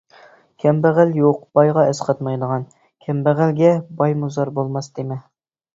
كەمبەغەل يوق بايغا ئەسقاتمايدىغان، كەمبەغەلگە بايمۇ زار بولماس دېمە.